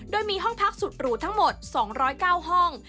โดยมีห้องพักสุดหรูทั้งหมด๒๐๙ห้อง